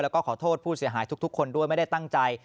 แล้วก็ขอโทษผู้เสียหายทุกคนด้วยไม่ได้ตั้งใจ